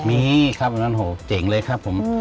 มีครับวันนั้นโหเจ๋งเลยครับผม